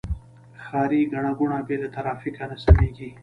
ښاري ګڼه ګوڼه بې له ترافیکه نه سمېږي.